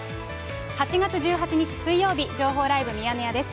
８月１８日水曜日、情報ライブミヤネ屋です。